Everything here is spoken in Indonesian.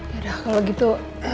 yaudah kalo gitu